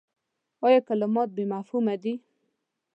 ایا کلمات بې مفهومه دي ؟